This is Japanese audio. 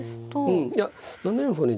うんいや７四歩はね